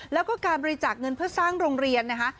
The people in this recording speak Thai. แล้วก็การบริจาคเงินเพื่อสร้างโรงเรียนนะคะ